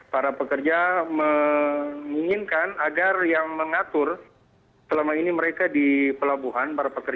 para pekerja menginginkan agar yang mengatur selama ini mereka di pelabuhan para pekerja